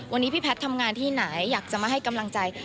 วันนี้พี่แพทย์ทำงานที่ไหนอยากจะมาให้กำลังใจ